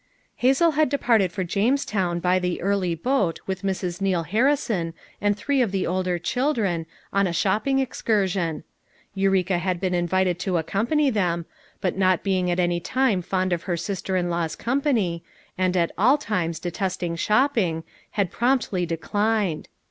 " Hazel had departed for Jamestown by the early boat with Mrs. Neal Harrison and three of the older children, on a shopping excursion. Eureka had been invited to accompany them, but not being at any time fond of her sister in law's company, and at all times detesting shopping, had promptly declined.